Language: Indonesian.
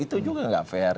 itu juga tidak fair